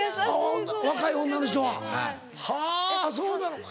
若い女の人ははぁそうなのか。